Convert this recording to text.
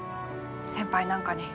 先輩なんかに。